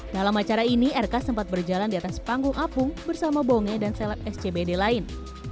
dalam acara ini rk sempat berjalan di atas panggung apung bersama bonge dan seleb scbd lain